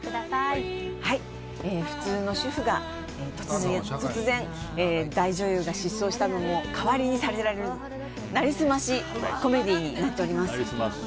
普通の主婦が突然、大女優が失踪した代わりにさせられる成り済ましコメディーになっています。